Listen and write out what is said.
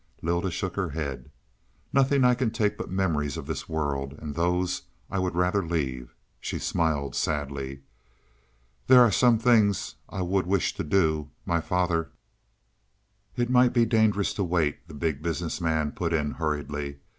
Lylda shook her head. "Nothing can I take but memories of this world, and those would I rather leave." She smiled sadly. "There are some things I would wish to do my father " "It might be dangerous to wait," the Big Business Man put in hurriedly.